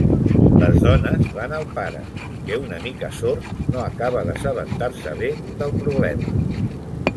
Les dones van al pare, que una mica sord, no acaba d'assabentar-se bé del problema.